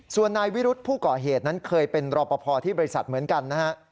ส่วนนายวิรุธผู้ก่อเหตุนั้นเคยเป็นรอปภที่บริษัทเหมือนกันนะฮะ